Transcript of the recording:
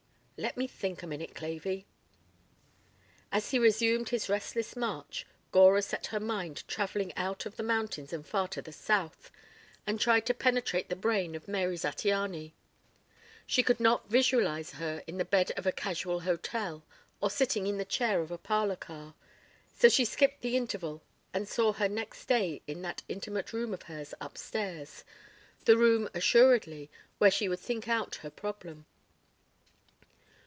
"Let me think a minute, Clavey." As he resumed his restless march, Gora sent her mind travelling out of the mountains and far to the south, and tried to penetrate the brain of Mary Zattiany. She could not visualize her in the bed of a casual hotel or sitting in the chair of a parlor car, so she skipped the interval and saw her next day in that intimate room of hers upstairs; the room, assuredly, where she would think out her problem.